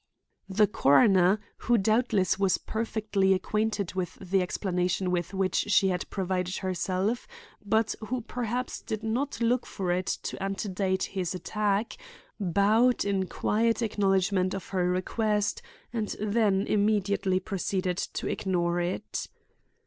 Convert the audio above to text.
The coroner, who doubtless was perfectly acquainted with the explanation with which she had provided herself, but who perhaps did not look for it to antedate his attack, bowed in quiet acknowledgment of her request and then immediately proceeded to ignore it.